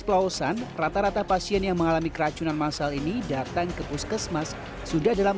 pelausan rata rata pasien yang mengalami keracunan masal ini datang ke puskesmas sudah dalam